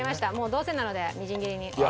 どうせなのでみじん切りに。